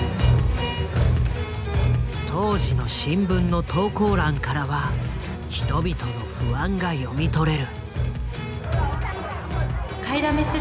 当時の新聞の投稿欄からは人々の不安が読み取れる。